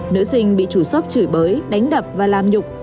nữ sinh bị chủ shop chửi bới đánh đập và làm nhục